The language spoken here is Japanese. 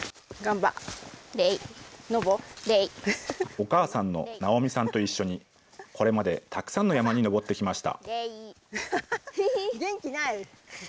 お母さんの直美さんと一緒に、これまでたくさんの山に登ってきました。